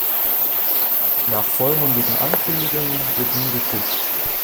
Nach vollmundigen Ankündigungen wird nun gekuscht.